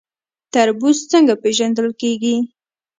تربوز څنګه پیژندل کیږي؟